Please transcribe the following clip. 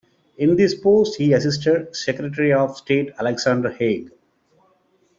In this post he assisted Secretary of State Alexander Haig.